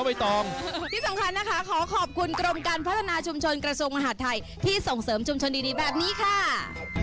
วันนี้เราต้องขอบคุณกำลังบ่อยมากและขอบคุณด้วยนะคะ